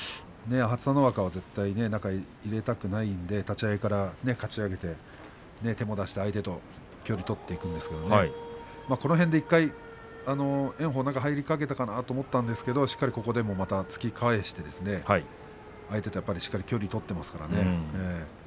朝乃若は絶対に中に入れたくないので立ち合いからかち上げて手を出して相手と距離を取っていくんですがこの辺で１回炎鵬、中に入りかけたんですがここで突き返して相手としっかり距離を取っていますからね。